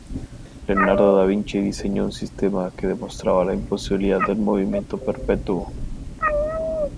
Leonardo da Vinci diseñó un sistema que demostraba la imposibilidad del movimiento perpetuo.